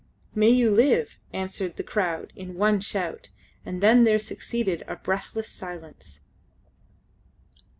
"May you live!" answered the crowd in one shout, and then there succeeded a breathless silence.